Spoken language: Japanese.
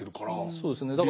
そうですね。